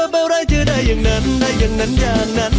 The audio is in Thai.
อะไรจะได้อย่างนั้นได้อย่างนั้นอย่างนั้น